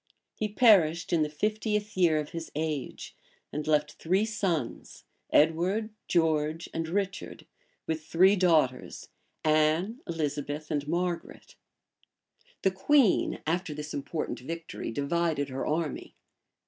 He perished in the fiftieth year of his age, and left three sons, Edward, George, and Richard, with three daughters, Anne, Elizabeth, and Margaret. {1461.} The queen, after this important victory, divided her army.